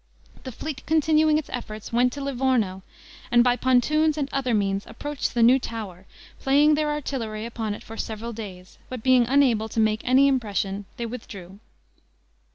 The fleet continuing its efforts went to Livorno, and by pontoons and other means approached the new tower, playing their artillery upon it for several days, but being unable to make any impression they withdrew.